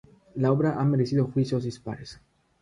La obra ha merecido juicios dispares.